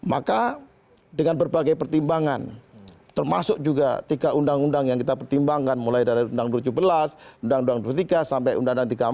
maka dengan berbagai pertimbangan termasuk juga tiga undang undang yang kita pertimbangkan mulai dari undang dua ribu tujuh belas undang undang dua puluh tiga sampai undang undang tiga puluh empat